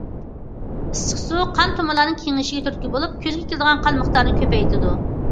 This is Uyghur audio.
ئىسسىق سۇ قان تومۇرلارنىڭ كېڭىيىشىگە تۈرتكە بولۇپ، كۆزگە كېلىدىغان قان مىقدارىنى كۆپەيتىدۇ.